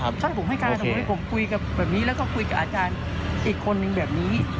ถ้าผมให้การสมมุติผมคุยกับแบบนี้แล้วก็คุยกับอาจารย์อีกคนนึงแบบนี้